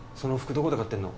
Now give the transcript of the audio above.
どこで買ってんの？